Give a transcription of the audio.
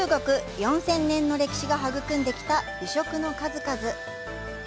４０００年の歴史が育んできた美食の数々。